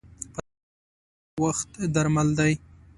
په صبر کښېنه، وخت درمل دی.